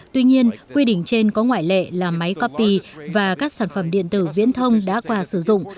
tuy nhiên quy định trên có ngoại lệ là máy copy và các sản phẩm điện tử viễn thông đã qua sử dụng